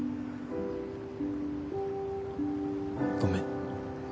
ごめん。